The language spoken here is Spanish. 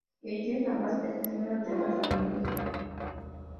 Ella es la más pequeña de la familia.